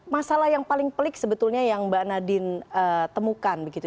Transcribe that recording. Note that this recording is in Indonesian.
masalah yang paling pelik sebetulnya yang mbak nadine temukan begitu